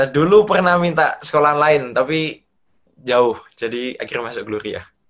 dulu pernah minta sekolah lain tapi jauh jadi akhirnya masuk gloria